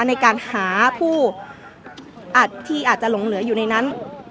ในการหาผู้อัดที่อาจจะหลงเหลืออยู่ในนั้น